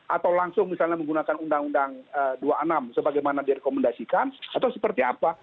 atau langsung misalnya menggunakan undang undang dua puluh enam sebagaimana direkomendasikan atau seperti apa